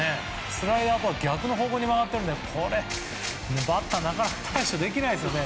スライダーとは逆の方向に曲がっているのでこれはバッターはなかなか対処できないですよね。